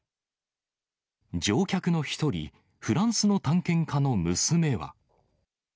乗客の１人、フランスの探検家の娘は。